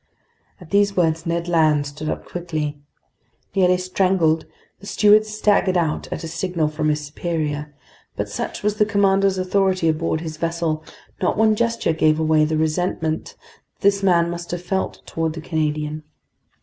At these words Ned Land stood up quickly. Nearly strangled, the steward staggered out at a signal from his superior; but such was the commander's authority aboard his vessel, not one gesture gave away the resentment that this man must have felt toward the Canadian.